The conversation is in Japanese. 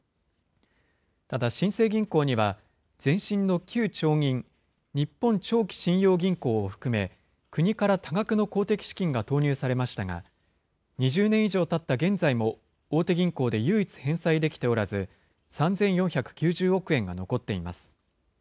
ただ、新生銀行には、前身の旧長銀・日本長期信用銀行を含め、国から多額の公的資金が投入されましたが、２０年以上たった現在も大手銀行で唯一、返済できておらず、３４９０億円が残っています。